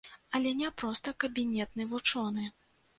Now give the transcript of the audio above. Але не проста кабінетны вучоны.